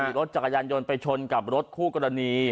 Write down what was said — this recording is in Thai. ขี่รถจักรยานยนต์ไปชนกับรถคู่กรณี